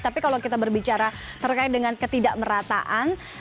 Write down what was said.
tapi kalau kita berbicara terkait dengan ketidakmerataan